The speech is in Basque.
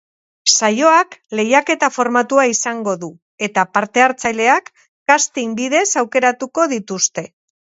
Saioak lehiaketa formatua izango du, eta parte-hartzaileak casting bidez aukeratuko dituzte.